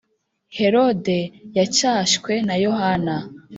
Herode yacyashywe na Yohana